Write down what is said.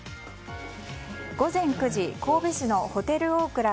午前９時神戸市のホテルオークラ